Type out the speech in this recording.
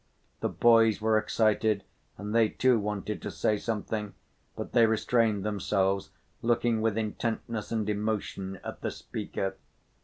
The boys were excited and they, too, wanted to say something, but they restrained themselves, looking with intentness and emotion at the speaker.